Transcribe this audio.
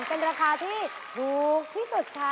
เป็นราคาที่ถูกที่สุดค่ะ